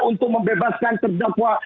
untuk membebaskan terdakwa